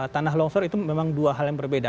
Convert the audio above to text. tanah longsor itu memang dua hal yang berbeda